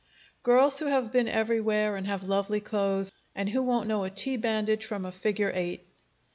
"Girls who have been everywhere, and have lovely clothes, and who won't know a T bandage from a figure eight!"